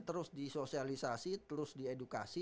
terus disosialisasi terus diedukasi